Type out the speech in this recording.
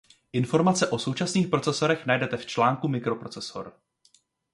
Informace o současných procesorech najdete v článku mikroprocesor.